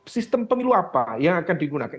sistem pemilu apa yang akan digunakan